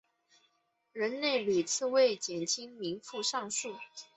任内屡次为减轻民负上疏。